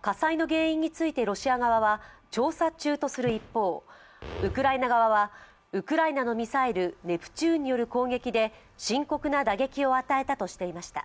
火災の原因についてロシア側は調査中とする一方、ウクライナ側はウクライナのミサイル、ネプチューンによる攻撃で深刻な打撃を与えたとしていました。